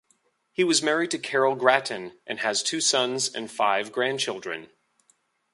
He was married to Carol Grattan and has two sons and five grandchildren.